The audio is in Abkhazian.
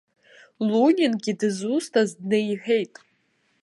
Лунингьы дызусҭаз неиҳәеит.